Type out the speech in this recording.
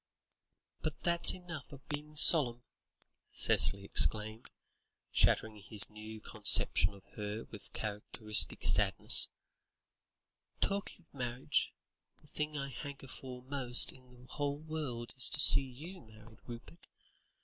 "But that's enough of being solemn," Cicely exclaimed, shattering his new conception of her with characteristic suddenness; "talking of marriage, the thing I hanker for most in the whole world is to see you married, Rupert.